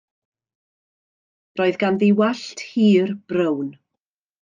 Roedd ganddi wallt hir brown.